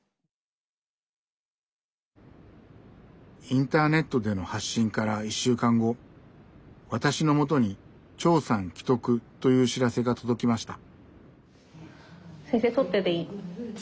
インターネットでの発信から１週間後私のもとに「長さん危篤」という知らせが届きました。